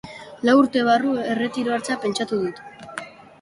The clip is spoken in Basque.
Lau urte barru erretiroa hartzea pentsatu dut.